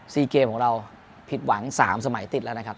ซีเกมของเราผิดหวังสามสมัยติดแล้วนะครับ